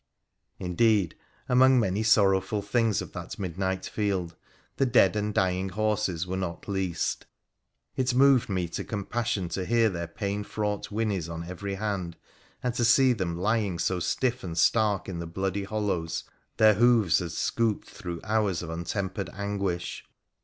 Indeed, among many sorrowful things of that midnight field, the dead and dying horses were not least. It moved me to compassion to hear their pain fraught whinnies on every hand, and to see them lying so stiff and stark in the bloody hollows their hoofs had scooped through hours of untempered anguish.